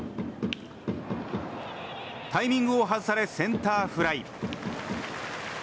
タイミングを外されセンターフライ。